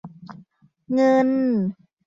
เงิน